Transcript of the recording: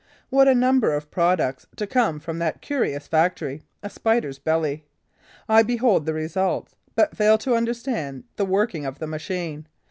What a number of products to come from that curious factory, a Spider's belly! I behold the results, but fail to understand the working of the machine.